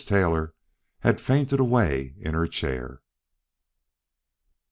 Taylor had fainted away in her chair.